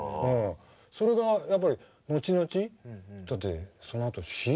それがやっぱり後々だってそのあとＣＭソング。